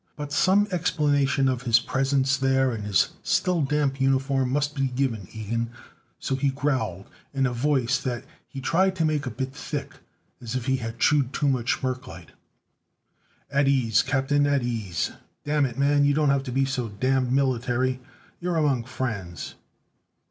But some explanation of his presence there in his still damp uniform must be given Ilgen, so he growled, in a voice that he tried to make a bit thick, as if he had chewed too much merclite: "At ease, Captain. At ease! Damn it man, you don't have to be so damned military. You're among friends!"